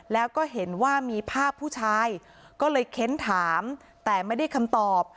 แล้วก็เห็นว่ามีภาพผู้ชายก็เลยเค้นถามแต่ไม่ได้คำตอบ